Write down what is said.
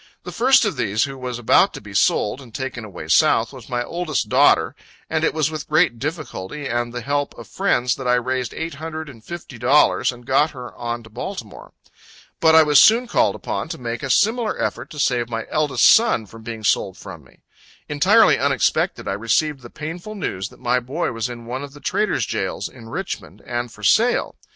The first of these, who was about to be sold, and taken away South, was my oldest daughter; and it was with great difficulty and the help of friends that I raised eight hundred and fifty dollars, and got her on to Baltimore. But I was soon called upon to make a similar effort to save my eldest son from being sold far from me. Entirely unexpected, I received the painful news that my boy was in one of the trader's jails in Richmond, and for sale.